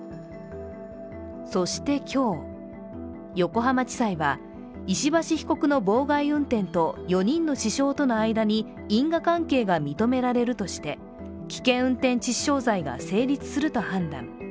そして今日、横浜地裁は石橋被告の妨害運転と４人の死傷との間に因果関係が認められるとして危険運転致死傷罪が成立すると判断。